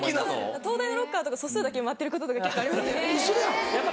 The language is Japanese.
東大のロッカーとか素数だけ埋まってることとか結構ありますよね。